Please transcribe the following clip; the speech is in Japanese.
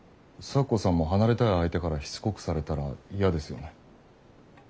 咲子さんも離れたい相手からしつこくされたら嫌ですよね？